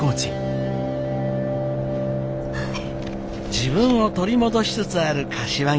自分を取り戻しつつある柏木